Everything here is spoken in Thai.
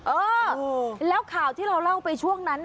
เออแล้วข่าวที่เราเล่าไปช่วงนั้น